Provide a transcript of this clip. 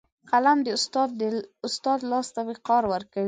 قلم د استاد لاس ته وقار ورکوي